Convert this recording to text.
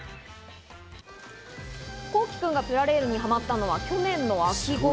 こうきくんがプラレールにはまったのは去年の秋頃。